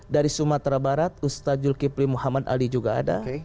dari sumatera barat ustaz julkifli muhammad ali juga ada